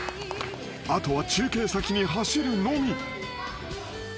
［後は中継先に走るのみ］